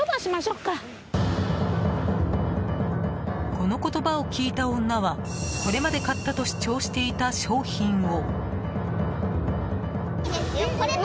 この言葉を聞いた女はこれまで買ったと主張していた商品を。